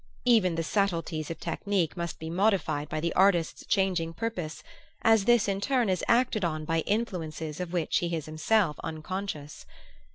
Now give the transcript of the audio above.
Even the subtleties of technique must be modified by the artist's changing purpose, as this in turn is acted on by influences of which he is himself unconscious.